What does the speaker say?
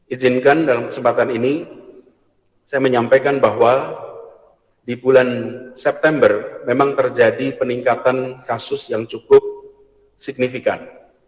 ijinkan dalam kesempatan ini saya menyampaikan bahwa di bulan september memang terjadi peningkatan kasus yang cukup signifikan